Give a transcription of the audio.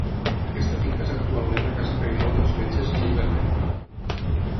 Aquesta finca és actualment la casa pairal dels metges Gil Vernet.